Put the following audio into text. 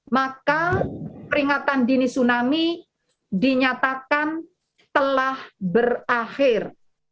maka peringatan dini tsunami dinyatakan telah berakhir